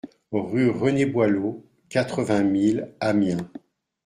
Rue René Boileau, quatre-vingt mille Amiens